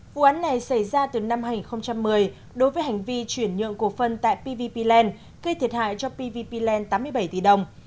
vụ án này xảy ra từ năm hai nghìn một mươi đối với hành vi chuyển nhượng cổ phân tại pvp pland gây thiệt hại cho pvp land tám mươi bảy tỷ đồng